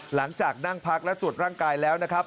หลังจากนั่งพักและตรวจร่างกายแล้วนะครับ